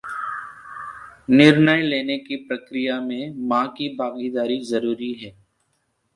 निर्णय लेने की प्रक्रिया में मां की भागीदारी जरूरी